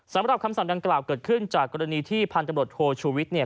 สำหรับคำสั่งดังกล่าวเกิดขึ้นจากกรณีที่พันธบทโทชูวิทย์เนี่ย